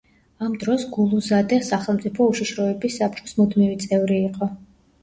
ამ დროს გულუზადე სახელმწიფო უშიშროების საბჭოს მუდმივი წევრი იყო.